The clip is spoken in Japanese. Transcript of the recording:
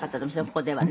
ここではね」